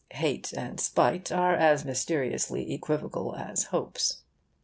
Hate and spite are as mysteriously equivocal as hopes.